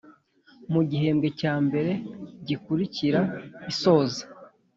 Mu gihembwe cya mbere gikurikira isoza